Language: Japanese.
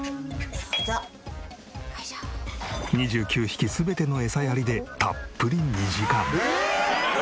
２９匹全てのエサやりでたっぷり２時間。